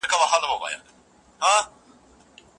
لارښود د شاګردانو د هڅونې لپاره تل کار کوي.